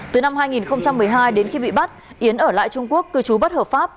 từ năm hai nghìn một mươi hai đến khi bị bắt yến ở lại trung quốc cư trú bất hợp pháp